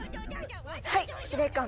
はい司令官！